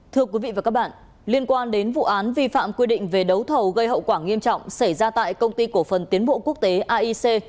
thưa quý vị và các bạn liên quan đến vụ án vi phạm quy định về đấu thầu gây hậu quả nghiêm trọng xảy ra tại công ty cổ phần tiến bộ quốc tế aic